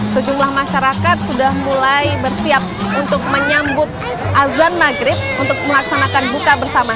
sejumlah masyarakat sudah mulai bersiap untuk menyambut azan maghrib untuk melaksanakan buka bersama